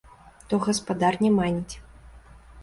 То гаспадар не маніць.